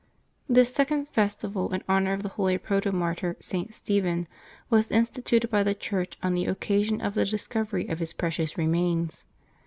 ^^His second festival in honor of the holy protomartyr V / St. Stephen was instituted by the Church on the occasion of the discovery of his precious remains.